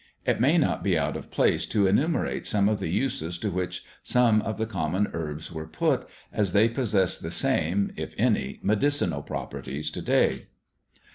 It may not be out of place to enumerate some of the uses to which some of the common herbs were put, as they possess the same, if any, medicinal properties to day.